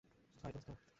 High, দোস্ত।